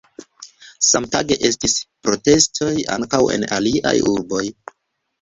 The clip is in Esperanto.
Samtage estis protestoj ankaŭ en aliaj urboj.